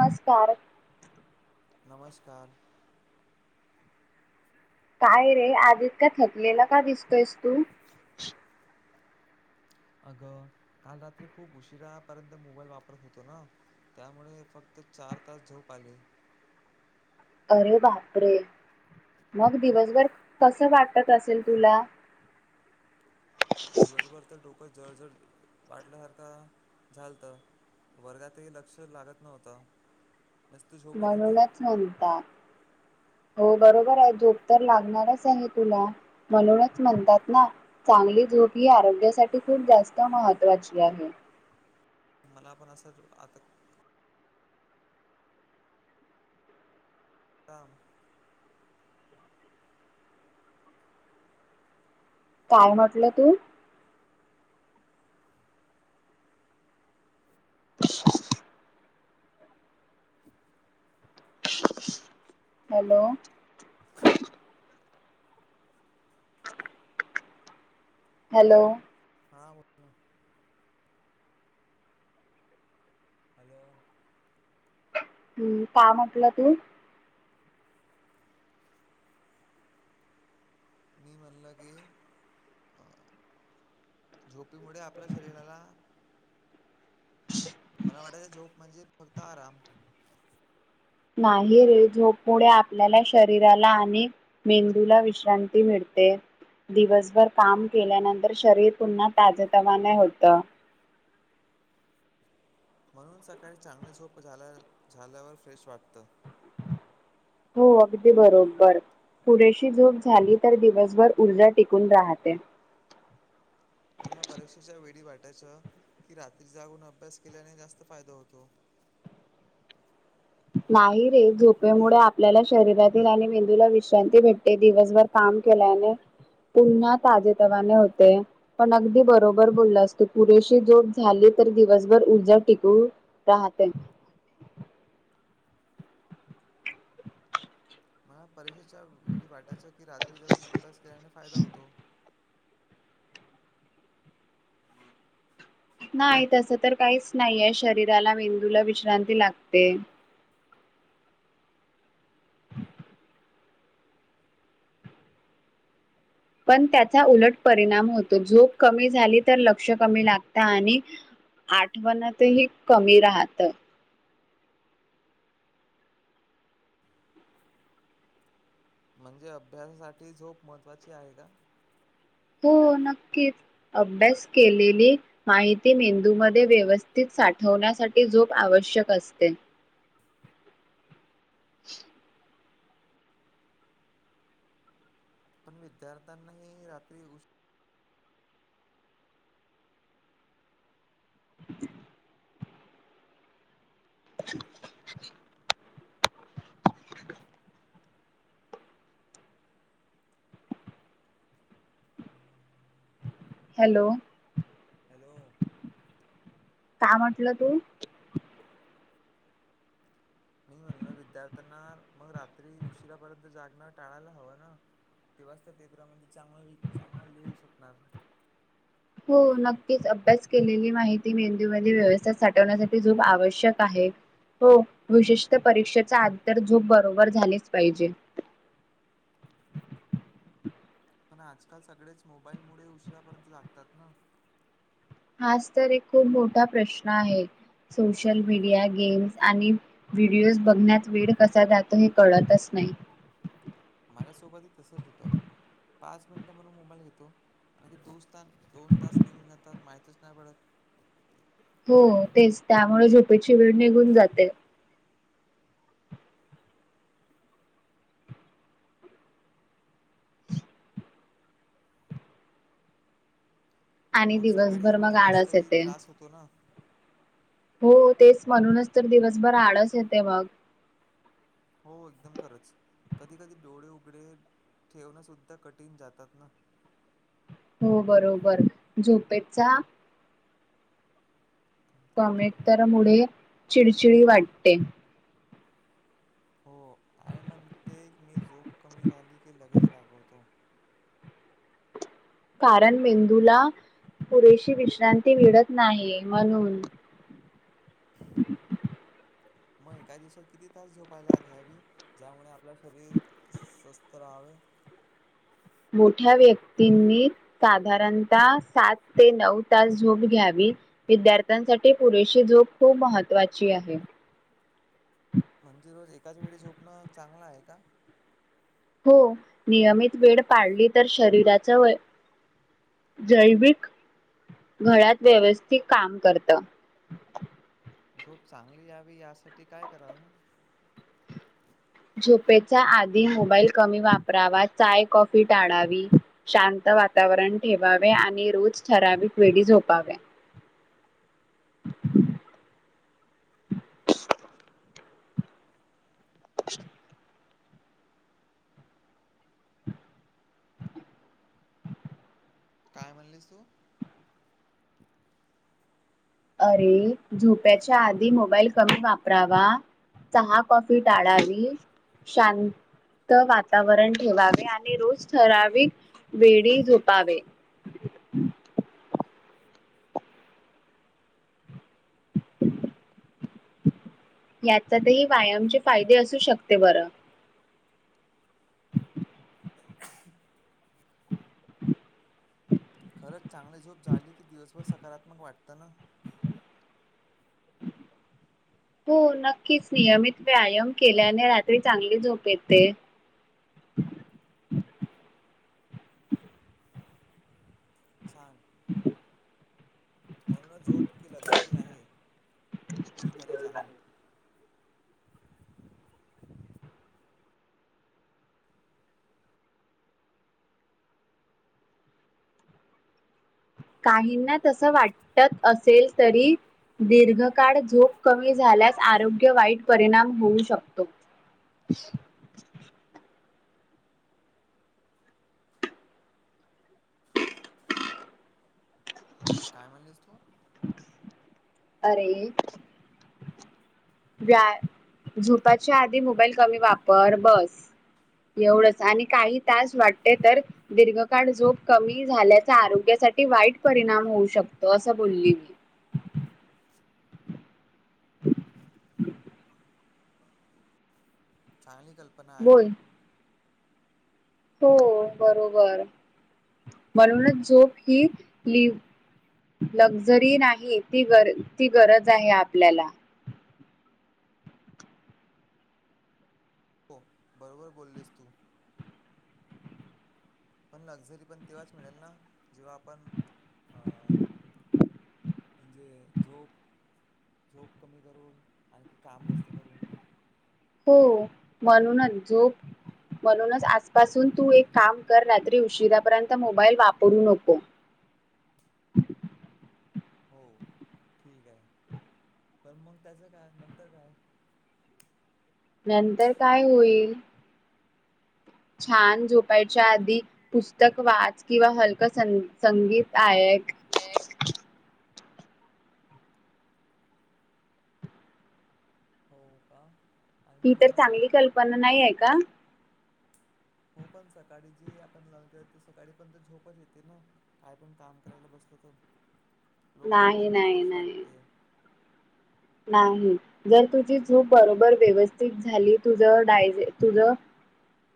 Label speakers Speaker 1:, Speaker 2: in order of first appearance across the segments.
Speaker 1: नमस्कार
Speaker 2: नमस्कार
Speaker 1: काय रे आधित का थकलेला का दिसतोयस तू
Speaker 2: अगं काल रात्री खूप उशिरापर्यंत मोबाईल वापरत होतो ना त्यामुळे फक्त चार तास झोप आले
Speaker 1: अरे बापरे मग दिवसभर कसं वाटत असेल तुला
Speaker 2: दिवसभर तर डोकं जर जर वाटल्यासारखं झालत वर्गातही लक्ष लागत नव्हतं नुसती झोप येत होती
Speaker 1: म्हणूनच म्हणतात हो बरोबर आहे झोप तर लागणारच आहे तुला म्हणूनच म्हणतात ना चांगली झोप ही आरोग्यासाठी खूप जास्त महत्त्वाची आहे
Speaker 2: मला पण असं आता तम
Speaker 1: काय म्हटलं तू ब हॅलो हॅलो
Speaker 2: हा हॅलो
Speaker 1: हम् का म्हटलं तू
Speaker 2: मी म्हणलं की झोपीमुळे आपल्या शरीराला मला वाटायच झोक म्हणजे फक्त आराम
Speaker 1: नाही रे जो पुढे आपल्याला शरीराला अनेक मेंदूला विश्रांती मिळते दिवसभर काम केल्यानंतर शरीर पुन्हा ताजे तमाने होत
Speaker 2: म्हणून सकाळी चांगली झोप झाल्या झाल्यावर फ्रेश वाटतं
Speaker 1: हो अगदी बरोबर पुरेशी झोप झाली तर दिवसभर ऊर्जा टिकून राहते
Speaker 2: मला परीक्षेच्या वेळी वाटायच्या की रात्री जागून अभ्यास केल्याने जास्त फायदा होतो
Speaker 1: नाही रे झोपेमुळे आपल्याला शरीरातील आणि मेंदूला विश्रांती भेटते दिवसभर काम केल्याने पुन्हा ताज तवाने होते पण अगदी बरोबर बोलला असतो पुरेशी जोप झाली तर दिवसभर उजा टिकू राहते
Speaker 2: मला परीक्षेच्या वेळी वाटायच्या की रात्री जगून अभ्यास केल्याने फायदा होतो
Speaker 1: नाही तस तर काहीच नाहीे शरीराला मेंदूला विश्रांती लागते पण त्याचा उलट परिणाम होतो झोप कमी झाली तर लक्ष कमी लागत आणि आठवणतही कमी राहतं
Speaker 2: म्हणजे अभ्यासासाठी झोप महत्त्वाची आहे का
Speaker 1: हो नक्कीच अभ्यास केलेली माहिती मेंदूमध्ये व्यवस्थित साठवण्यासाठी झोप आवश्यक असते [unintelligible]
Speaker 2: पण विद्यार्थ्यांनाही रात्री उ
Speaker 1: ह [inaudible] हॅलो
Speaker 2: हॅलो
Speaker 1: काय म्हंटलं तू
Speaker 2: मी म्हणल विद्यार्थ्यांना मग रात्री उशिरापर्यंत जागणं टाळायला हवं ना तेव्हाच तर पेेपरामध्ये चांगल चांगलं लिहू शकणार
Speaker 1: हो नक्कीच अभ्यास केलेली माहिती मेंदूमध्ये व्यवस्थ साठवण्यासाठी झोप आवश्यक आहे हो विशेषतः परीक्षेचा अंतर झोप बरोबर झालेच पाहिजे
Speaker 2: पण आजकाल सगळेच मोबाईलमुळे उशिरापर्यंत लागतात ना
Speaker 1: हाच तर एक खूप मोठा प्रश्न आहे सोशल मीडिया गेम्स आणि व्हिडिओज बघण्यात वेळ कसा जातो हे कळतच नाही
Speaker 2: माझ्यासोबत आणखी दोस्थ दोन तास निघून जातात माहतीच नाही पडत
Speaker 1: हो तेच त्यामुळे झोपेची वेळ निघून जाते आणि
Speaker 2: मग सकाळी
Speaker 1: दिवसभर मग आळस
Speaker 2: उठल्यासही
Speaker 1: येते.
Speaker 2: त्रास होतो ना
Speaker 1: हो तेच म्हणूनच तर दिवसभर आळस येते मग
Speaker 2: हो एकदम खरंच, कधी कधी डोळे उघडे ठेवणं सुद्धा कठीण जातात ना.
Speaker 1: हो बरोबर. झोपेचा [unintelligible] तर मुळे चिडचिडी वाटते.
Speaker 2: हो, आई म्हणते की मी झोप कमी झाली की लगेच रागवतो.
Speaker 1: कारण मेंदूला पुरेशी विश्रांती मिळत नाही म्हणून. [inaudible]
Speaker 2: मग एका दिवसात किती तास झोपायला घ्यावी? ज्यामुळे आपलं शरीर स्वस्थ राहावे.
Speaker 1: मोठ्या व्यक्तींनी साधारणतः सात ते नऊ तास झोप घ्यावी. विद्यार्थ्यांसाठी पुरेशी झोप खूप महत्वाची आहे.
Speaker 2: म्हणजे रोज एकाच वेळी झोपणं चांगलं आहे का?
Speaker 1: हो नियमित वेळ पाळली तर शरीराचं वय जैविक घळ्यात व्यवस्थित काम करत.
Speaker 2: झोप चांगली यावी यासाठी काय करावं?
Speaker 1: झोपेचा आधी मोबाईल कमी वापरावा. चाय, कॉफी टाळावी. शांत वातावरण ठेवावे आणि रोज ठराविक वेळी झोपावे. [inaudible] [inaudible]
Speaker 2: काय म्हणलीस तू?
Speaker 1: अरे झोपायच्या आधी मोबाईल कमी वापरावा. चहा, कॉफी टाळावी शांत त वातावरण ठेवावे आणि रोज ठराविक वेळी झोपावे. याच्यातही व्यायामचे फायदे असू शकते बरं.
Speaker 2: खरंच चांगली झोप झाली की दिवसभर सकारात्मक वाटतं ना‌.
Speaker 1: हो नक्कीच! नियमित व्यायाम केल्याने रात्री चांगली झोप येते.
Speaker 2: छान! म्हणूनच झोप की लक्झरी नाही मी गरज आहे.
Speaker 1: काहींना तसं वाटत असेल तरी दीर्घकाळ झोप कमी झाल्यास आरोग्य वाईट परिणाम होऊ शकतो. [inaudible]
Speaker 2: काय म्हणलीस तू?
Speaker 1: अरे व्या- झोपायच्या आधी मोबाईल कमी वापर बस. एवढंच आणि काही तास वाटते तर दीर्घकाळ झोप कमी झाल्याचा आरोग्यासाठी वाईट परिणाम होऊ शकतो. असं बोलली मी.
Speaker 2: चांगली कल्पना आहे.
Speaker 1: बोल. हो बरोबर म्हणूनच झोप ही लिव लक्झरी नाही ती गर ती गरज आहे आपल्याला.
Speaker 2: हो बरोबर बोललीस तू. पण लक्झरी पण तेव्हाच मिळेल ना, जेव्हा आपण अ म्हणजे झोप झोप कमी करून, आणखी काम जास्त करून.
Speaker 1: हो म्हणून झोप म्हणूनच आजपासून तू एक काम कर, रात्री उशिरापर्यंत मोबाईल वापरू नको.
Speaker 2: हो ठीक आहे, पण मग त्याचं काय नंतर काय.
Speaker 1: नंतर काय होईल. छान झोपायच्या आधी पुस्तक वाच किंवा हलकां सं संगीत आईक.
Speaker 2: एक. हो का?
Speaker 1: ती
Speaker 2: आणखी
Speaker 1: तर
Speaker 2: मग
Speaker 1: चांगली कल्पना नाही आहे का?
Speaker 2: हो पण सकाळी जे आपण लन केलं ते सकाळी पण तर झोपच येते ना. काय पण काम करायला बसत तर लोक म्हणतात
Speaker 1: नाही
Speaker 2: की
Speaker 1: नाही
Speaker 2: फ्रेश
Speaker 1: नाही
Speaker 2: वाटते.
Speaker 1: नाही. जर तुझी झोप बरोबर व्यवस्थित झाली तुझ डाय तुझ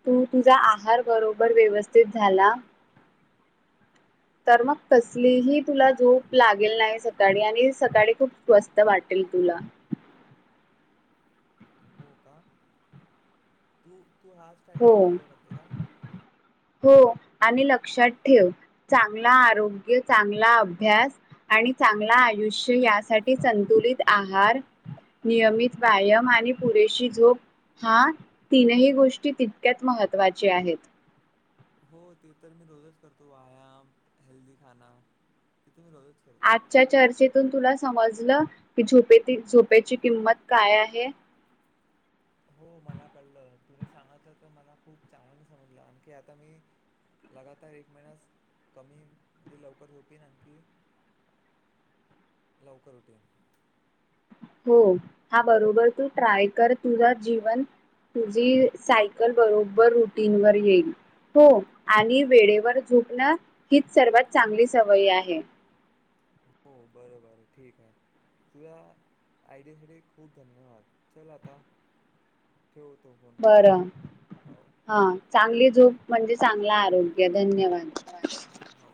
Speaker 1: तू तुझा आहार बरोबर व्यवस्थित झाला तर मग कसलीही तुला झोप लागेल नाही सकाळी आणि सकाळी खूप स्वस्त वाटेल तुला.
Speaker 2: हो का? तू तू हा
Speaker 1: हो
Speaker 2: टाइमटेबल फॉलो करते का?
Speaker 1: हो आणि लक्षात ठेव चांगला आरोग्य, चांगला अभ्यास आणि चांगला आयुष्य
Speaker 2: एक
Speaker 1: यासाठी
Speaker 2: हफ्ता
Speaker 1: संतुलित आहार नियमित व्यायाम आणि पुरेशी झोप हा तीनही गोष्टी तितक्यात महत्वाची आहेत.
Speaker 2: हो ते तर मी रोजच करतो. व्यायाम हेल्दी खाण तिथे मी रोजच करतो.
Speaker 1: आजच्या चर्चेतून तुला समजलं की झोपे झोपेची किंमत काय आहे.
Speaker 2: हो मला कळलं तुम्ही सांगितलं तर मला खूप चांगनी समजलं आणखी आता मी लगातार एक महिनास कमी म्हणजे लवकर झोपी आणखी लवकर उटे
Speaker 1: हो हा बरोबर तू ट्राय कर. तुझा जीवन तुझी सायकल बरोबर रुटीन वर येईल. हो आणि वेळेवर झोपणं हीच सर्वात चांगली सवयी आहे.
Speaker 2: हो बर बर ठीक आहे. तुझ्या आयडियासाठी खूप धन्यवाद. चल आता ठेवतो पण
Speaker 1: बरं
Speaker 2: फोन.
Speaker 1: हा चांगली झोप म्हणजे चांगला आरोग्य. धन्यवाद.
Speaker 2: हो.